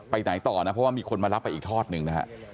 ไหนต่อนะเพราะว่ามีคนมารับไปอีกทอดหนึ่งนะฮะ